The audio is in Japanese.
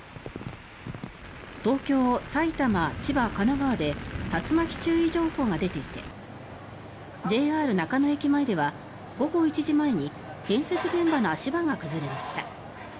東京、埼玉、千葉、神奈川で竜巻注意情報が出ていてＪＲ中野駅前では午後１時前に建設現場の足場が崩れました。